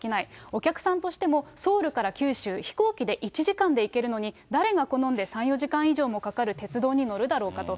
お客さんとしても、ソウルから九州、飛行機で１時間で行けるのに誰が好んで３、４時間以上かかる鉄道に乗るだろうかと。